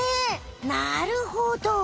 なるほど。